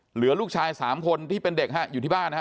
เหลือลูกชาย๓คนที่เป็นเด็กฮะอยู่ที่บ้านนะฮะ